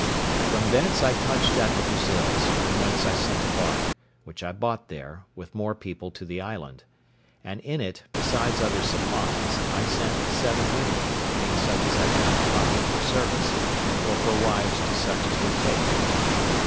From thence I touched at the Brazils, from whence I sent a bark, which I bought there, with more people to the island; and in it, besides other supplies, I sent seven women, being such as I found proper for service, or for wives to such as would take them.